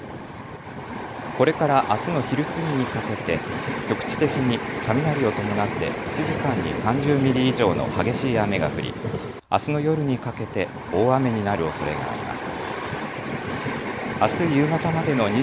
これからあすの昼過ぎにかけて局地的に雷を伴って１時間に３０ミリ以上の激しい雨が降りあすの夜にかけて大雨になるおそれがあります。